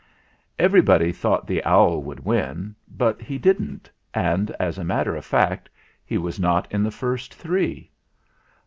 Everybody thought the owl would win; but he didn't, and, as a matter of fact, he was not in the first three.